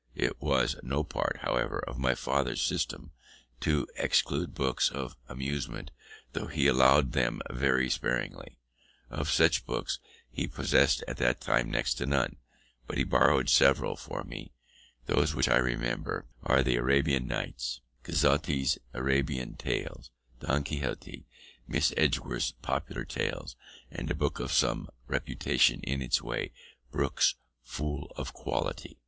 It was no part, however, of my father's system to exclude books of amusement, though he allowed them very sparingly. Of such books he possessed at that time next to none, but he borrowed several for me; those which I remember are the Arabian Nights, Cazotte's Arabian Tales, Don Quixote, Miss Edgeworth's Popular Tales, and a book of some reputation in its day, Brooke's Fool of Quality.